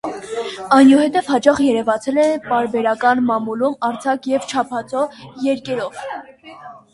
Այնուհետև հաճախ է երևացել պարբերական մամուլում արձակ և չափածո երկերով։